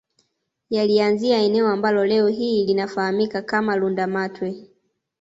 Yaliianzia eneo ambalo leo hii linafahamika kama Lundamatwe